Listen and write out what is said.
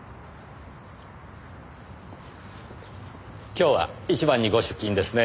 今日は１番にご出勤ですね。